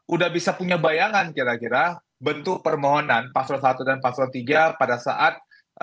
udah bisa punya bayangan kira kira bentuk permohonan pasro i dan pasro iii pada saat